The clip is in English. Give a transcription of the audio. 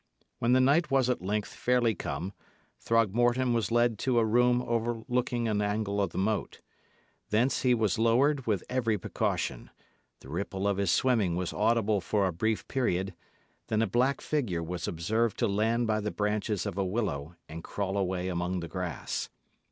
When the night was at length fairly come, Throgmorton was led to a room overlooking an angle of the moat. Thence he was lowered with every precaution; the ripple of his swimming was audible for a brief period; then a black figure was observed to land by the branches of a willow and crawl away among the grass.